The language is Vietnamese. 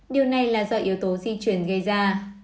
điều này là do yếu tố di chuyển gây ra